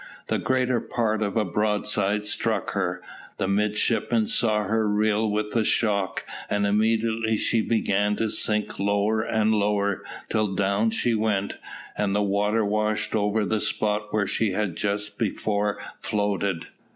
The greater part of a broadside struck her. The midshipmen saw her reel with the shock, and immediately she began to sink lower and lower, till down she went, and the water washed over the spot where she had just before floated.